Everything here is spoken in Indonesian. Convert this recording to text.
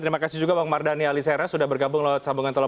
terima kasih juga bang mardhani ali seras sudah bergabung